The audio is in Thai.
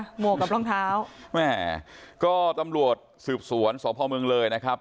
หมวกกับรองเท้าแม่ก็ตำรวจสืบสวนสพเมืองเลยนะครับ